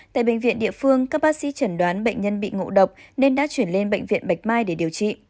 tại bệnh viện địa phương các bác sĩ chẩn đoán bệnh nhân bị ngộ độc nên đã chuyển lên bệnh viện bạch mai để điều trị